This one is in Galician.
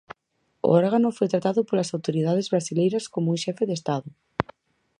O órgano foi tratado polas autoridades brasileiras como un xefe de Estado.